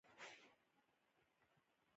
انا د اولادونو په بریا خوشحالېږي